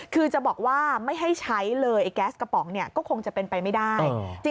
คือจะบอกว่าไม่ให้ใช้เลยไอ้แก๊สกระป๋องเนี่ยก็คงจะเป็นไปไม่ได้